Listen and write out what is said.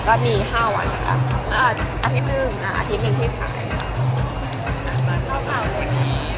ก็มี๕วันนะคะอาทิตย์หนึ่งที่ฉาย